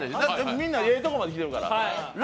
みんなええとこまで来てるから。